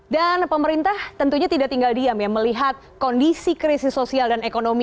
pemerintah tentunya tidak tinggal diam ya melihat kondisi krisis sosial dan ekonomi